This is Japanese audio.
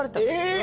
え！